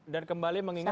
dan kembali mengingat